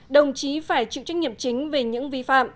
đồng chí phải chịu trách nhiệm chính về những vi phạm